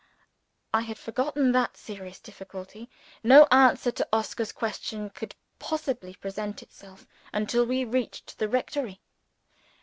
I had forgotten that serious difficulty. No answer to Oscar's question could possibly present itself until we reached the rectory.